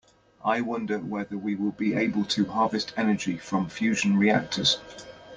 I wonder whether we will be able to harvest energy from fusion reactors.